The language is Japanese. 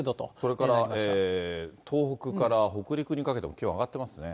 それから東北から北陸にかけても、きょうは上がってますね。